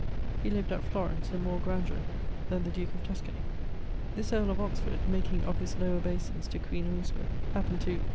He lived at Florence in more grandeur than the duke of Tuscany. This earle of Oxford, making of his low obeisance to queen Elizabeth, happened to